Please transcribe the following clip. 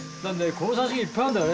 この写真いっぱいあるんだよね。